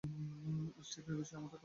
Steve, এ বিষয়ে আমাদের কথা হয়েছে।